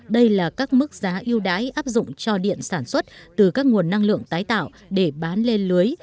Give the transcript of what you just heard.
đây là các mức giá yêu đái áp dụng cho điện sản xuất từ các nguồn năng lượng tái tạo để bán lên lưới